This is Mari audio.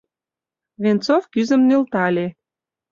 — Венцов кӱзым нӧлтале.